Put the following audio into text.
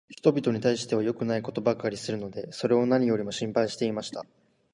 人びとに対しては良くないことばかりするので、それを何よりも心配していました。